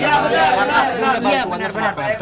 sakit bahut bantuan sama pak r t